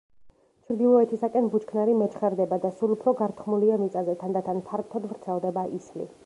ჩრდილოეთისაკენ ბუჩქნარი მეჩხერდება და სულ უფრო გართხმულია მიწაზე, თანდათან ფართოდ ვრცელდება ისლი.